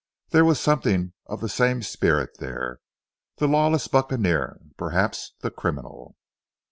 There was something of the same spirit there the lawless buccaneer, perhaps the criminal.